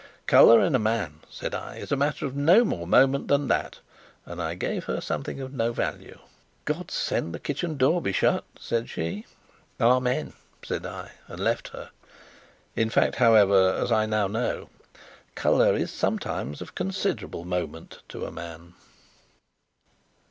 "Colour in a man," said I, "is a matter of no more moment than that!" and I gave her something of no value. "God send the kitchen door be shut!" said she. "Amen!" said I, and left her. In fact, however, as I now know, colour is sometimes of considerable moment to a man.